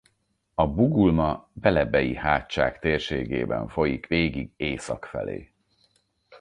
A Bugulma–Belebeji-hátság térségében folyik végig észak felé.